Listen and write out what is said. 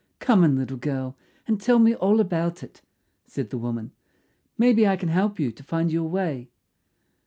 "Come in, little girl, and tell me all about it," said the woman. "Maybe I can help you to find your way."